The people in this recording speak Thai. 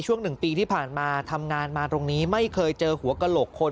๑ปีที่ผ่านมาทำงานมาตรงนี้ไม่เคยเจอหัวกระโหลกคน